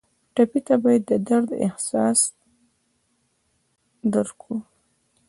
ټپي ته باید د درد احساس درکړو.